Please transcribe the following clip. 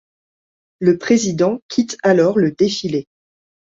Le président quitte alors le défilé.